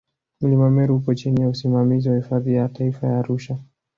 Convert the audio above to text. Mlima Meru upo chini ya usimamizi wa Hifadhi ya Taifa ya Arusha